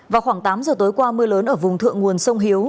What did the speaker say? vào khoảng tám giờ tối qua mưa lớn ở vùng thượng nguồn sông hiếu